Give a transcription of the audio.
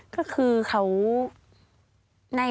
ก็คือเขา